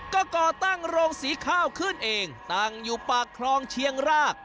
ก็ก่อตั้งโรงสีข้าวขึ้นเองตั้งอยู่ปากคลองเชียงราก